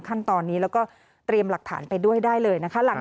ก็อาจจะต้องมียืนการตัวตนได้นะครับ